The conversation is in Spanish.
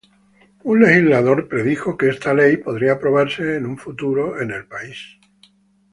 Un legislador predijo, que esta ley podría aprobarse en un futuro en el país.